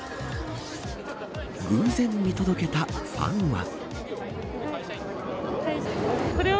偶然見届けたファンは。